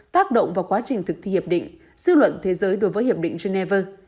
tác động vào quá trình thực thi hiệp định dư luận thế giới đối với hiệp định geneva